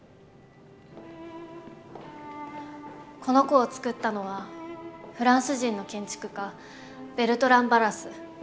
この子を作ったのはフランス人の建築家ベルトラン・バラス。